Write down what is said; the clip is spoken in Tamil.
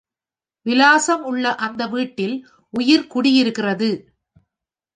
விலாசம் உள்ள அந்த வீட்டில் உயிர் குடியிருக்கிறது.